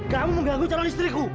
kamu mengganggu calon istriku